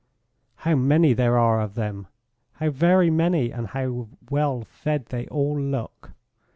"How many there are of them; how very many and how well fed they all look!